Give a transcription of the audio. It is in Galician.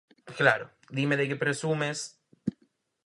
Claro, dime de que presumes...